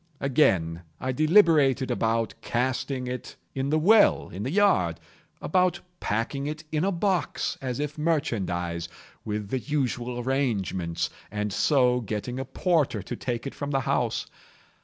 Again, I deliberated about casting it in the well in the yard—about packing it in a box, as if merchandise, with the usual arrangements, and so getting a porter to take it from the house.